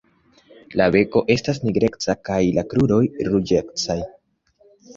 La beko estas nigreca kaj la kruroj ruĝecaj.